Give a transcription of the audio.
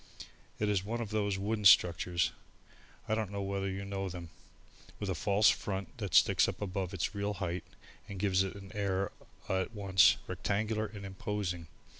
It is one of those wooden structures I don't know whether you know them with a false front that sticks up above its real height and gives it an air at once rectangular and imposing.